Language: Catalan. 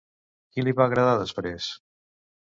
Qui li va agradar després?